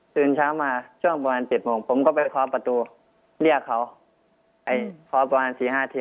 ตื่นเช้ามาช่วงประมาณเจ็ดโมงผมก็ไปเคาะประตูเรียกเขาไอ้เคาะประมาณสี่ห้าที